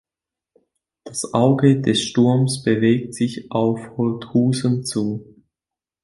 Das Auge des Sturms bewegt sich auf Holthusen zu.